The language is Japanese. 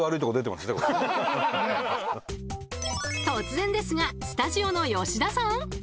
突然ですがスタジオの吉田さん。